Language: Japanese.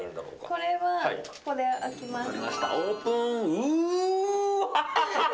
これは、これで開きます。